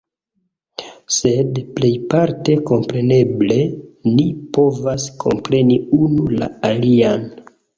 Sed plejparte kompreneble ni povas kompreni unu la alian.